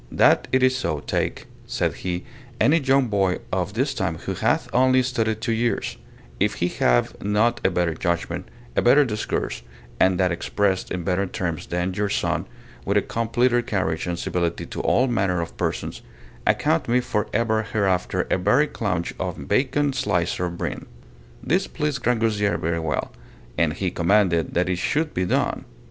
That it is so, take, said he, any young boy of this time who hath only studied two years, if he have not a better judgment, a better discourse, and that expressed in better terms than your son, with a completer carriage and civility to all manner of persons, account me for ever hereafter a very clounch and bacon slicer of Brene. This pleased Grangousier very well, and he commanded that it should be done.